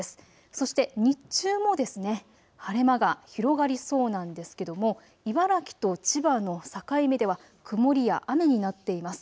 そして日中も晴れ間が広がりそうなんですけども、茨城と千葉の境目では曇りや雨になっています。